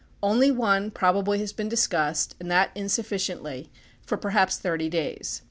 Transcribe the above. Only one probably has been discussed, and that insufficiently, for perhaps thirty days.